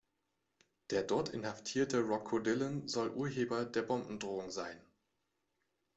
Der dort inhaftierte Rocco Dillon soll Urheber der Bombendrohung sein.